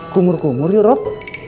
kumur kumur yuk rod